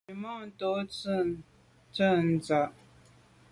Nzwimàntô tsho’te ntsha.